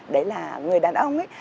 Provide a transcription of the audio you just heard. đấy là người đàn ông ấy